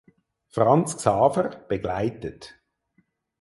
Franz Xaver begleitet.